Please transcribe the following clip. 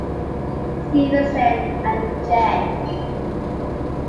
Stephensen and J.